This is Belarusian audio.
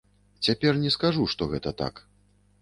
Цяпер не скажу, што гэта так.